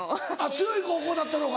強い高校だったのか？